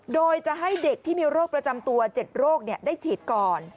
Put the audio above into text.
โดยจะให้เด็กที่มีโรคประจำตัว๗โรคได้ฉีดก่อน